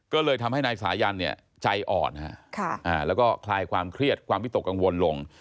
ก็เลยทำให้นายสายันเนี่ยใจอ่อนแล้วก็คลายความเครียดความวิตกกังวลลง